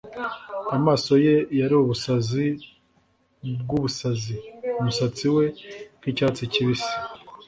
amaso ye yari ubusazi bwubusazi, umusatsi we nkicyatsi kibisi,